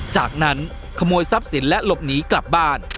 จากนั้นขโมยทรัพย์สินและหลบหนีกลับบ้าน